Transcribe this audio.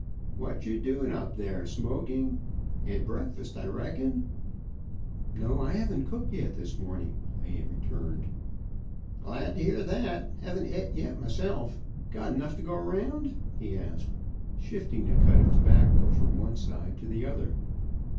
"What you doin' up there smoking? Had breakfast, I reckon." "No, haven't cooked yet this morning," I returned. "Glad t' hear that haven' et yet myself. Got 'nough to go round?" he asked, shifting a cud of tobacco from one side to the other.